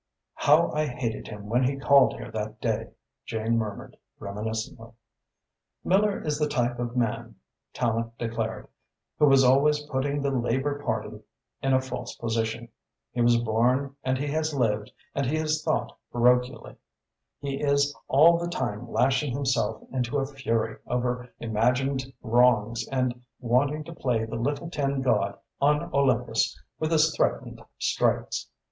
"How I hated him when he called here that day! Jane murmured reminiscently." "Miller is the type of man," Tallente declared, "who was always putting the Labour Party in a false position. He was born and he has lived and he has thought parochially. He is all the time lashing himself into a fury over imagined wrongs and wanting to play the little tin god on Olympus with his threatened strikes.